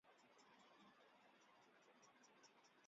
随着殒石雨来到地球的。